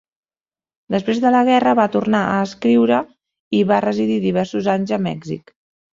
Després de la guerra va tornar a escriure i va residir diversos anys a Mèxic.